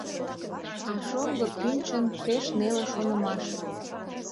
А шоҥго пӱнчын — пеш неле шонымаш...